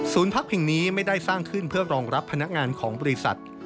พักแห่งนี้ไม่ได้สร้างขึ้นเพื่อรองรับพนักงานของบริษัท